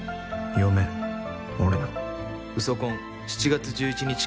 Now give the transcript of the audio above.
嫁、俺の。